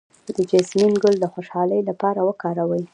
د جیسمین ګل د خوشحالۍ لپاره وکاروئ